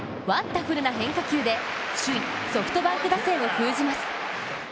ダフルな変化球で首位ソフトバンク打線を封じます。